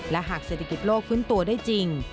และหากเศรษฐกิจโลกฟื้นตัวได้จริง